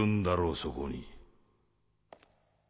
そこに。